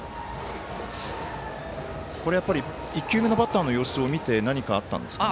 １球目のバッターの様子を見て何かあったんですかね。